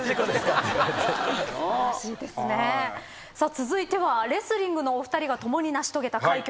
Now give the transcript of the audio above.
続いてはレスリングのお二人が共に成し遂げた快挙です。